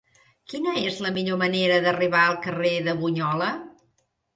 Quina és la millor manera d'arribar al carrer de Bunyola?